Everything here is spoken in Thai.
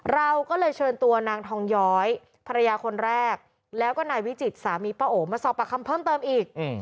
เราก็เลยเชิญตัวนางทองย้อยภรรยาคนแรกแล้วก็นายวิจิตรสามีป้าโอมาสอบปากคำเพิ่มเติมอีก